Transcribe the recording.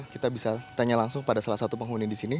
kita bisa tanya langsung pada salah satu penghuni di sini